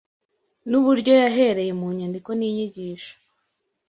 n’uburyo yahereye mu nyandiko n’inyigisho